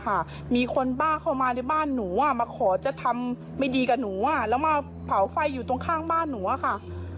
ค่ะมีคนบ้าเข้ามาในบ้านหนูอ่ะมาขอจะทำไม่ดีกับหนูอ่ะแล้วมาเผาไฟอยู่ตรงข้างบ้านหนูอะค่ะ